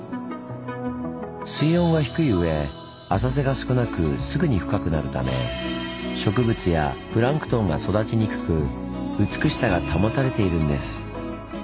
水温は低いうえ浅瀬が少なくすぐに深くなるため植物やプランクトンが育ちにくく美しさが保たれているんです。